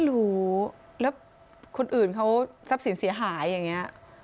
รู้แล้วคนอื่นเขาทรัพย์สินเสียหายอย่างนี้